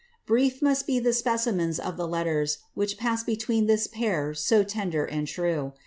Brief must be the specimens of the letters which passed between this pair so tender and true.